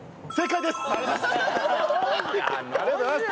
ありがとうございます。